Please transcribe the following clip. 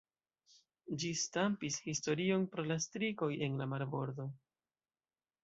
Ĝi stampis historion pro la strikoj en la Marbordo.